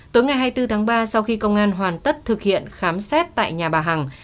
tối ngày hai mươi bốn tháng ba sau khi công an hoàn tất thực hiện khám xét tại nhà bà hằng